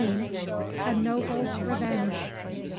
A Noble Revenge.